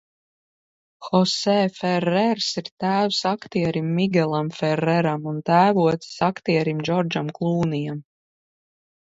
Hosē Ferrers ir tēvs aktierim Migelam Ferreram un tēvocis aktierim Džordžam Klūnijam.